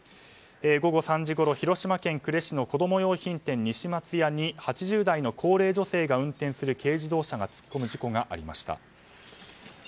午後３時ごろ、広島県呉市の子供用品店西松屋に８０代の高齢女性が運転する軽自動車が突っ込む事故がありました。